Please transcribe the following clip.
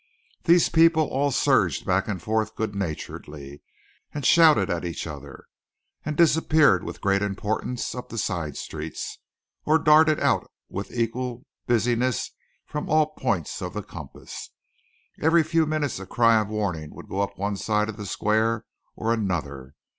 These people all surged back and forth good naturedly, and shouted at each other, and disappeared with great importance up the side streets, or darted out with equal busyness from all points of the compass. Every few minutes a cry of warning would go up on one side of the square or another.